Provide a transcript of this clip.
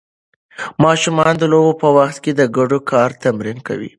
ماشومان د لوبو په وخت کې د ګډ کار تمرین کوي.